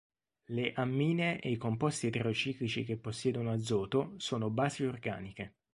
Le ammine e i composti eterociclici che possiedono azoto, sono basi organiche.